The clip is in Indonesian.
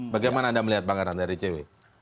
bagaimana anda melihat banggaran dari cw